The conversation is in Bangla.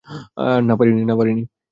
না, পারিনি।